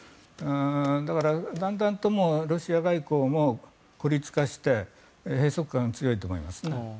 だから、だんだんとロシア外交も孤立化して閉塞感が強いと思いますね。